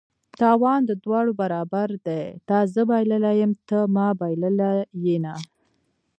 تاوان د دواړه برابر دي: تا زه بایللي یم ته ما بایلله ینه